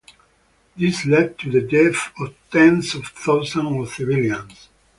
This led to the deaths of tens of thousands of civilians.